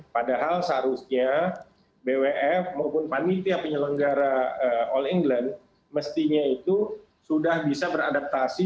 padahal seharusnya bwf maupun panitia penyelenggara all england mestinya itu sudah bisa beradaptasi